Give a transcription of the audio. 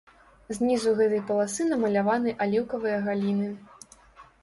Знізу гэтай паласы намаляваны аліўкавыя галіны.